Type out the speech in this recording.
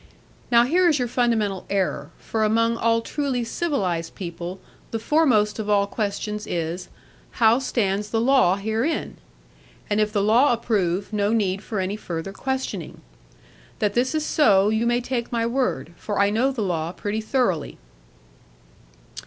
Now here is your fundamental error: for among all truly civilised people the foremost of all questions is, "how stands the law herein?" And if the law approve, no need for any further questioning. That this is so, you may take my word: for I know the law pretty thoroughly.